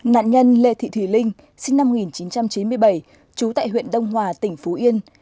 nạn nhân lê thị thùy linh sinh năm một nghìn chín trăm chín mươi bảy trú tại huyện đông hòa tỉnh phú yên